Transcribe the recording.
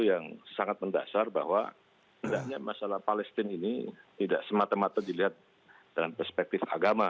yang sangat mendasar bahwa tidak hanya masalah palestina ini tidak semata mata dilihat dalam perspektif agama